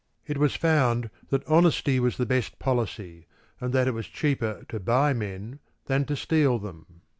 It was found that honesty was the best policy, and that it was cheaper to buy men than to steal them.